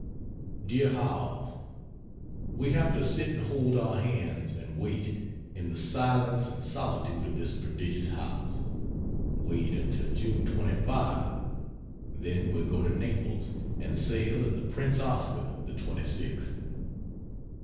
DEAR HOWELLS, We have to sit and hold our hands and wait in the silence and solitude of this prodigious house; wait until June 25, then we go to Naples and sail in the Prince Oscar the 26th.